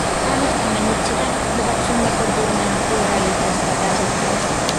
Äänestämme nyt siitä, hyväksymmekö pyynnön kiireellisestä käsittelystä.